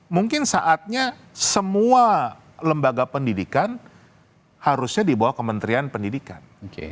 mungkin saatnya semua lembaga pendidikan harusnya di bawah kementerian pendidikan